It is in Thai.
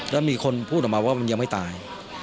แล้วมีคนพูดออกมาว่ามันยังไม่ตาย